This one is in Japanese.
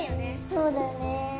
そうだよね。